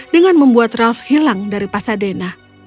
dengan membuat ralf hilang dari pasadena